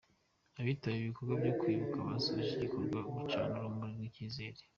Abitabiriye ibikorwa byo kwibuka basoje igikorwa bacana urumuri rw’icyizere.